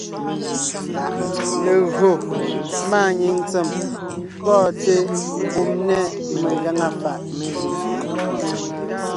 Légÿo máanyìŋ ntsèm pɔ́ɔnte mbùm nɛ́ megàŋa fàʼ.